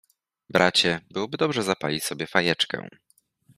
— Bracie, byłoby dobrze zapalić sobie fajeczkę.